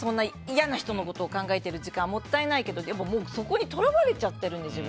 嫌な人のことを考えてる時間もったいないけどでも、そこに自分でとらわれちゃってるんで。